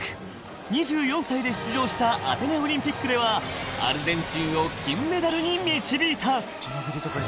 ２４歳で出場したアテネオリンピックでは、アルゼンチンを金メダルに導いた。